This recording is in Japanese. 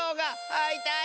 あいたい！